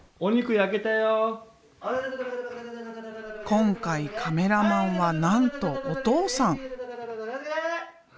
今回カメラマンはなんとお父さん。